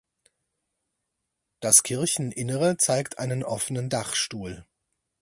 Das Kircheninnere zeigt einen offenen Dachstuhl.